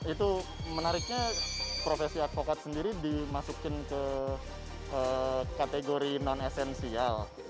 itu menariknya profesi advokat sendiri dimasukin ke kategori non esensial